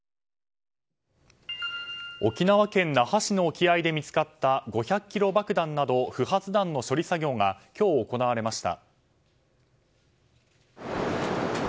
沖縄県那覇市の沖合で見つかった５００ｋｇ爆弾など不発弾の処理作業が今日、行われました。